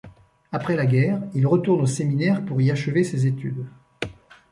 Après la guerre il retourne au séminaire pour y achever ses études.